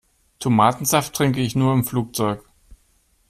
Tomatensaft trinke ich nur im Flugzeug.